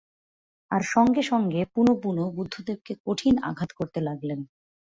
আর সঙ্গে সঙ্গে পুনঃপুন বুদ্ধদেবকে কঠিন আঘাত করতে লাগলেন।